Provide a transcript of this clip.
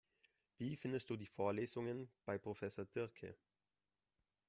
Wie findest du die Vorlesungen bei Professor Diercke?